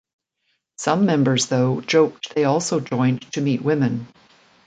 Some members, though, joked they also joined to meet women.